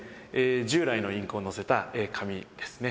従来のインクを載せた紙ですね